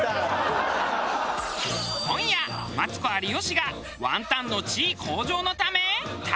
今夜マツコ有吉がワンタンの地位向上のため立ち上がる！